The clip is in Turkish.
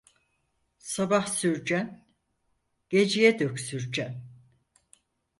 Sabah sürçen, geceye dek sürçer.